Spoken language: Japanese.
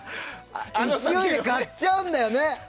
勢いで買っちゃうんだよね。